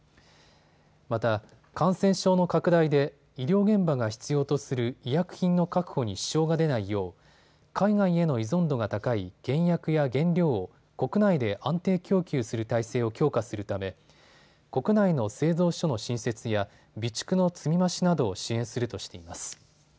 また感染症の拡大で医療現場が必要とする医薬品の確保に支障が出ないよう海外への依存度が高い原薬や原料を国内で安定供給する体制を強化するため国内の製造所の新設や、備蓄の積み増しなどを支援するとしています。